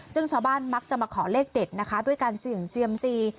ซึ่งชาวบ้านมักจะมาขอเลขเด็ดนะคะด้วยการเสี่ยงเซียมซี